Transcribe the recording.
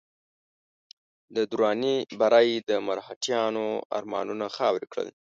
د دراني بري د مرهټیانو ارمانونه خاورې کړل.